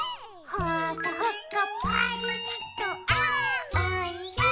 「ほかほかパリッとあーおいしい！」